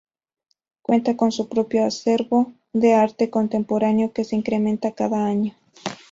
Cuenta con su propio acervo de arte contemporáneo que se incrementa cada año.